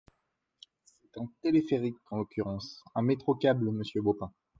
C’est un téléphérique, en l’occurrence ! Un métro-câble, monsieur Baupin.